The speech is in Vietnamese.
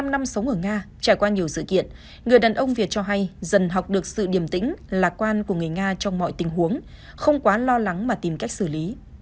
một mươi năm năm sống ở nga trải qua nhiều sự kiện người đàn ông việt cho hay dần học được sự điểm tĩnh lạc quan của người nga trong mọi tình huống không quá lo lắng mà tìm cách xử lý